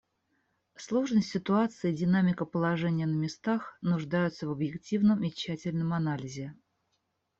Сложность ситуации и динамика положения на местах нуждаются в объективном и тщательном анализе.